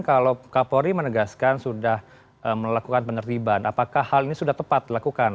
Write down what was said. kalau kapolri menegaskan sudah melakukan penertiban apakah hal ini sudah tepat dilakukan